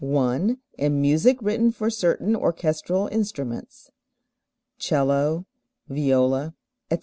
(1) in music written for certain orchestral instruments (cello, viola, etc.)